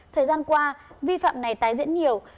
thời gian qua vi phạm này tái diễn nhiều